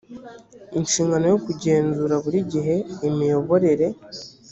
inshingano yo kugenzura buri gihe imiyoborere